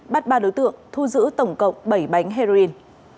bắt ba đối tượng thu giữ tổng cộng bảy bánh heroin